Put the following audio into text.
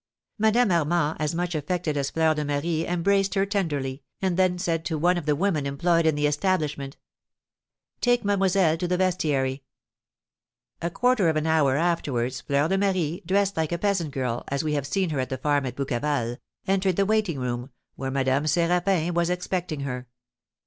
Madame Armand, as much affected as Fleur de Marie, embraced her tenderly, and then said to one of the women employed in the establishment: "Take mademoiselle to the vestiary." A quarter of an hour afterwards, Fleur de Marie, dressed like a peasant girl, as we have seen her at the farm at Bouqueval, entered the waiting room, where Madame Séraphin was expecting her.